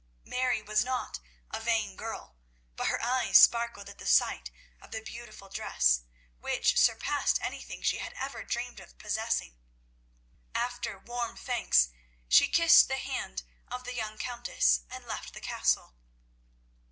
Mary was not a vain girl, but her eyes sparkled at the sight of the beautiful dress, which surpassed anything she had ever dreamed of possessing. After warm thanks, she kissed the hand of the young Countess and left the Castle.